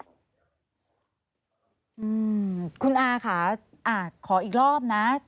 อืมคุณอาค่ะอ่าขออีกรอบนะ